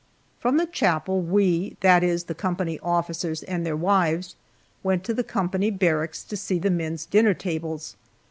From the chapel we that is, the company officers and their wives went to the company barracks to see the men's dinner tables.